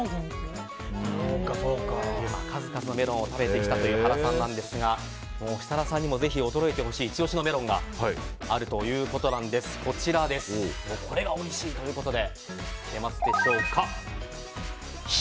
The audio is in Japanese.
数々のメロンを食べてきた原さんなんですが設楽さんにもぜひ驚いてほしいイチ押しのメロンがあるということでこれがおいしいということで。